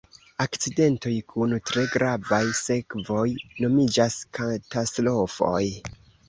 Akcidentoj kun tre gravaj sekvoj nomiĝas katastrofoj.